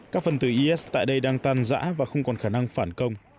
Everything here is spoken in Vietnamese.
các phần tử is tại đây đang tan rã và không còn khả năng phản công